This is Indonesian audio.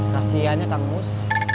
kasiannya kang mus